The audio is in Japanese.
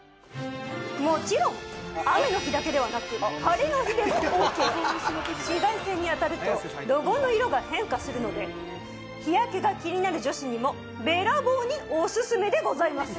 もちろん雨の日だけではなく晴れの日でもＯＫ紫外線に当たるとロゴの色が変化するので日焼けが気になる女子にもべらぼうにオススメでございます